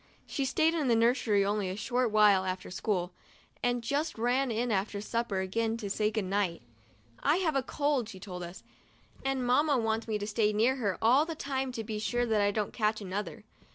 She stayed in the nursery only a short 22 MONDAY— MY FIRST BATH while after school, and just ran in after supper again to sa Y> "good night." "I've a cold," she told us, "and Mamma wants me to stay near her all the time to be sure that I don't catch another."